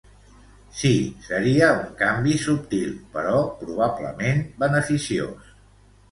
Sí, seria un canvi subtil, però probablement beneficiós.